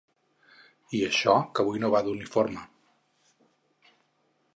I això que avui no va d'uniforme.